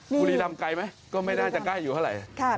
บุรีรำไกลไหมก็ไม่น่าจะใกล้อยู่เท่าไหร่